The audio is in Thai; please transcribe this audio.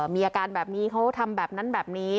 มีอาการแบบนี้เขาทำแบบนั้นแบบนี้